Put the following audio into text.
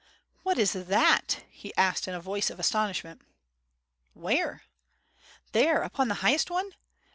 "What is that?" he asked in a voice of astonishment. "Where?" "There upon the highest one